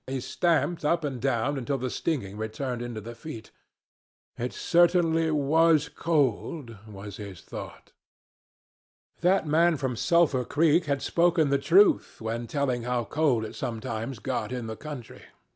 He stamped up and down until the stinging returned into the feet. It certainly was cold, was his thought. That man from Sulphur Creek had spoken the truth when telling how cold it sometimes got in the country.